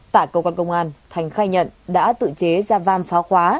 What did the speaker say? tại cơ quan công an thành khai nhận đã tự chế ra vam pháo khóa